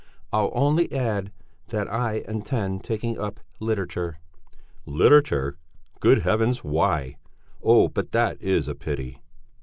I'll only add that I intend taking up literature." "Literature? Good Heavens! Why? Oh, but that is a pity!"